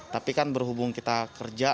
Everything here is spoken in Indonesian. tapi kan berhubung kita kerja